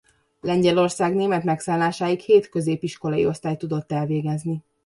Lengyelország német megszállásáig hét középiskolai osztályt tudott elvégezni.